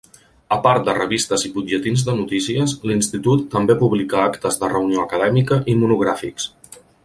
A part de revistes i butlletins de notícies, l'institut també publica actes de reunió acadèmica i monogràfics.